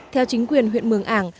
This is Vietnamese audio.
theo chính quyền huyện mường ảng